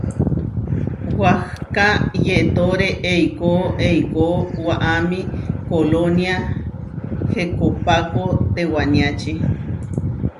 Wahká yetóre eikó eikó waʼámi kolónia Hekopáko tewaniáči.